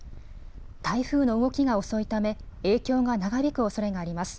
台風の動きが遅いため影響が長引くおそれがあります。